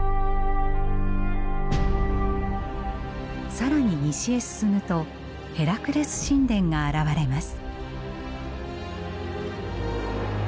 更に西へ進むとヘラクレス神殿が現れます。